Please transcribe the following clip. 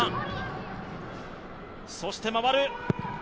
そして回る。